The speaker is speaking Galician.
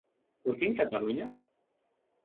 Por que en Cataluña?